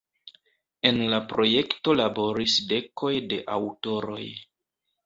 En la projekto laboris dekoj de aŭtoroj.